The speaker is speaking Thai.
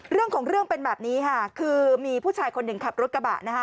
เรื่องของเรื่องเป็นแบบนี้ค่ะคือมีผู้ชายคนหนึ่งขับรถกระบะนะคะ